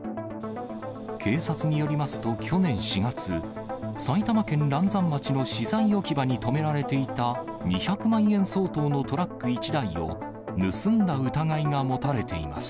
警察によりますと、去年４月、埼玉県嵐山町の資材置き場に止められていた２００万円相当のトラック１台を、盗んだ疑いが持たれています。